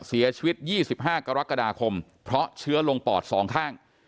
เสียชีวิต๒๕กรกฎาคมเพราะเชื้อลงปอด๒ข้าง